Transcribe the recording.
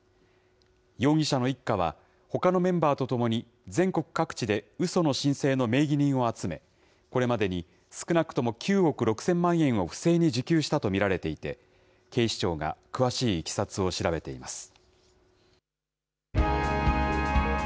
容疑者の一家は、ほかのメンバーとともに、全国各地でうその申請の名義人を集め、これまでに少なくとも９億６０００万円を不正に受給したと見られていて、警視庁が詳しいいきさつを調べています。